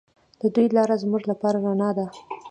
د دوی لاره زموږ لپاره رڼا ده.